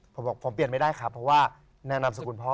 ผมบอกผมเปลี่ยนไม่ได้ครับเพราะว่าแนะนำสกุลพ่อ